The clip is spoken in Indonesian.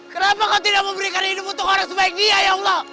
kenapa kau tidak memberikan hidup untuk orang sebaiknya ya allah